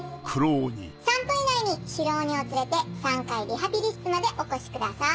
３分以内に白鬼を連れて３階リハビリ室までお越しください。